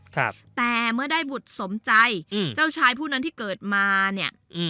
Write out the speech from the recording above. ครับแต่เมื่อได้บุตรสมใจอืมเจ้าชายผู้นั้นที่เกิดมาเนี้ยอืม